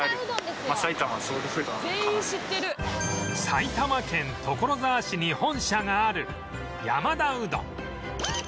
埼玉県所沢市に本社がある山田うどん